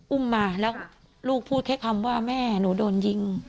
อุ้มมาแล้วลูกพูดแค่คำว่าแม่หนูโดนยิง